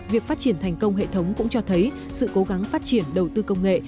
việc phát triển thành công hệ thống cũng cho thấy sự cố gắng phát triển đầu tư công nghệ